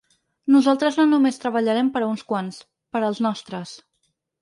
Nosaltres no només treballarem per a uns quants, per ‘als nostres’.